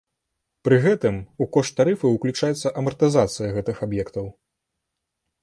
Пры гэтым у кошт тарыфаў ўключаецца амартызацыя гэтых аб'ектаў.